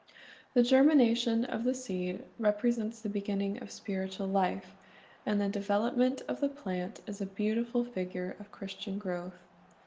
"* The germination of the seed represents the beginning of spiritual life, and the development of the plant is a beautiful figure of Christian growth.